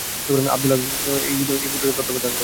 Abdullah Abdur Rahim Usaylin এই মুদ্রণের তত্ত্বাবধান করেন।